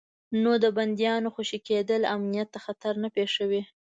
نو د بندیانو خوشي کېدل امنیت ته خطر نه پېښوي.